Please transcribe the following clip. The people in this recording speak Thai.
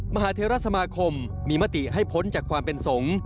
มหาเทราสมาคมมีมติให้พ้นจากความเป็นสงฆ์